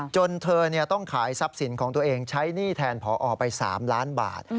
จนเธอต้องขายทรัพย์สินของตัวเองใช้หนี้แทนพอไป๓ล้านบาท